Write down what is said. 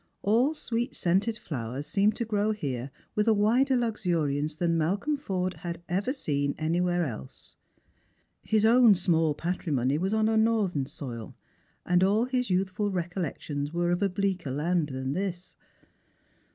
All sweet scented flowers seemed to grow here vnth a wider luxuriance than Malcolm Forde had ever seen anywhere else. His own small patrimony was on a uorthern soil, and all his youthful recollections were of a bleaker land than this.